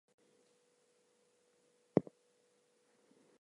The luckiest woman in the model gets no sexist remarks.